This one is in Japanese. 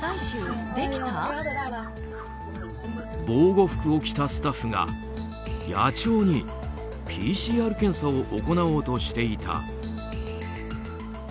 防護服を着たスタッフが野鳥にＰＣＲ検査を行おうとしていた。